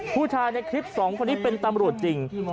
ผู้ชายในคลิปสองคนนี้เป็นตำรวจจริง